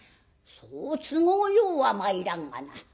「そう都合ようはまいらんがな。